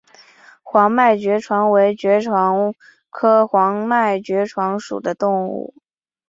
黄脉爵床为爵床科黄脉爵床属的植物。